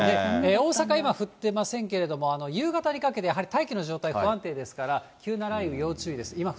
大阪、今、降っていませんけれども、夕方にかけて、やはり大気の状態、不安定ですから、急な雷雨、要注意です。